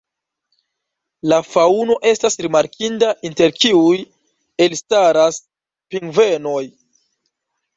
La faŭno estas rimarkinda, inter kiuj elstaras pingvenoj.